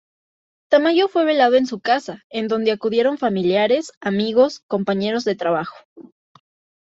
Tamayo fue velado en su casa en donde acudieron familiares, amigos, compañeros de trabajo.